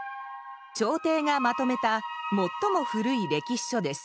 朝廷がまとめた最も古い歴史書です。